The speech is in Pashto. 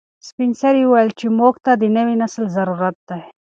سپین سرې وویل چې موږ ته د نوي نسل ضرورت دی.